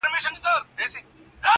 څه پوښتې چي شعر څه شاعري څنگه_